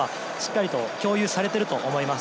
共有されていると思います。